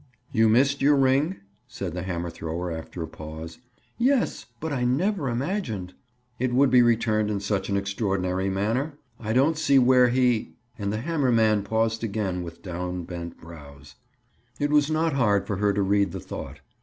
"You missed your ring?" said the hammer thrower after a pause. "Yes. But I never imagined—" "It would be returned in such an extraordinary manner? I don't see where he—?" And the hammer man paused again with downbent brows. It was not hard for her to read the thought.